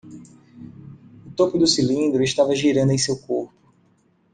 O topo do cilindro estava girando em seu corpo.